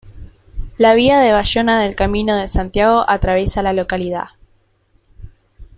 La vía de Bayona del Camino de Santiago atraviesa la localidad.